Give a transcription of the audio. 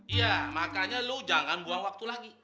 iya makanya lo jangan buang waktu lagi